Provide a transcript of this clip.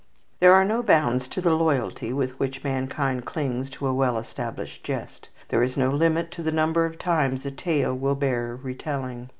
There are no bounds to the loyalty with which mankind clings to a well established jest, there is no limit to the number of times a tale will bear retelling.